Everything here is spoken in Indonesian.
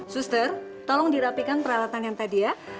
suster tolong dirapikan peralatan yang tadi ya